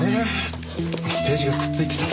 ページがくっついてたのかな？